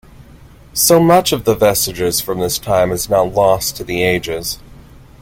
So much of the vestiges from this time is now lost to the ages.